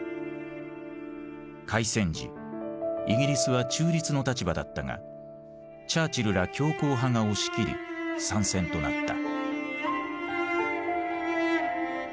開戦時イギリスは中立の立場だったがチャーチルら強硬派が押し切り参戦となった。